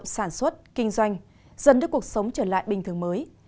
sản xuất kinh doanh dần đưa cuộc sống trở lại bình thường mới